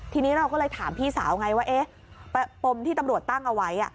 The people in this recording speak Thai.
ทีนี้เราก็เลยถามพี่สาวไงว่าเอ๊ะปมที่ตำรวจตั้งเอาไว้